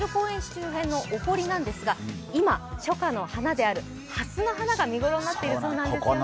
周辺のお濠なんですが今、初夏の花であるハスの花が見頃になっているようなんですよね。